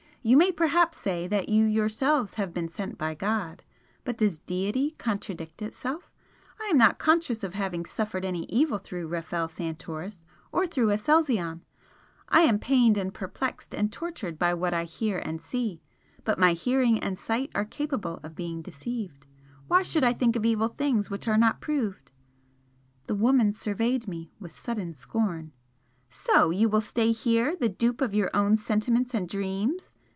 You may perhaps say that you yourselves have been sent by God but does Deity contradict Itself? I am not conscious of having suffered any evil through Rafel Santoris or through Aselzion I am pained and perplexed and tortured by what I hear and see but my hearing and sight are capable of being deceived why should I think of evil things which are not proved?" The woman surveyed me with sudden scorn. "So you will stay here, the dupe of your own sentiments and dreams!"